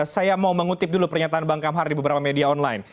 saya mau mengutip dulu pernyataan bang kamhar di beberapa media online